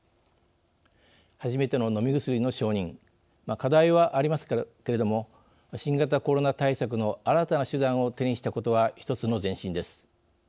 課題はありますけれども新型コロナ対策の新たな手段を手にしたことは一つの前進です。